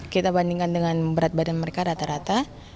kita bandingkan dengan berat badan mereka rata rata